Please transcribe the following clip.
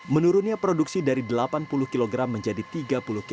menurunnya produksi dari delapan puluh kilogram menjadi tiga puluh kilogram per hari